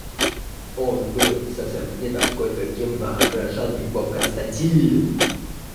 Он был совсем не такой, каким воображал его Константин.